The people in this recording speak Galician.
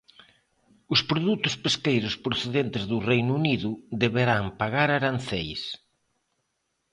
Os produtos pesqueiros procedentes do Reino Unido deberán pagar aranceis.